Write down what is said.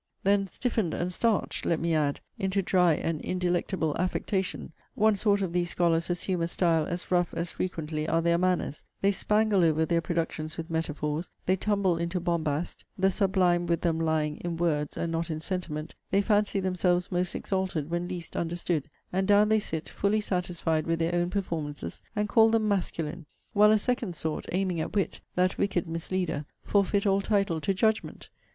Then, stiffened and starched [let me add] into dry and indelectable affectation, one sort of these scholars assume a style as rough as frequently are their manners; they spangle over their productions with metaphors; they tumble into bombast: the sublime, with them, lying in words, and not in sentiment, they fancy themselves most exalted when least understood; and down they sit, fully satisfied with their own performances, and call them MASCULINE. While a second sort, aiming at wit, that wicked misleader, forfeit all title to judgment.